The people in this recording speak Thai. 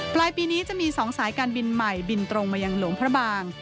ปลายปีนี้จะมี๒สายการบินใหม่บินตรงมายังหลวงพระบาง